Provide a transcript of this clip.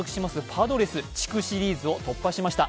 パドレス、地区シリーズを突破しました。